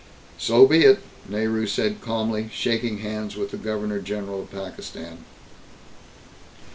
"So be it!" Nehru said calmly, shaking hands with the Governor General of Pakistan.